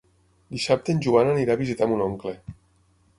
Dissabte en Joan anirà a visitar mon oncle.